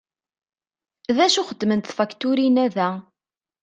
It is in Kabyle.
D acu i xeddment tfakturin-a da?